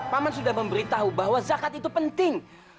paman sudah memberitahu bahwa zakat itu penting